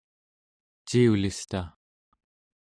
ciulista